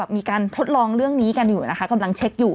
มีการทดลองเรื่องนี้กันอยู่นะคะกำลังเช็คอยู่